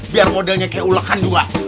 biar modelnya kayak ulekan dua